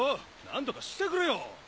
何とかしてくれよ。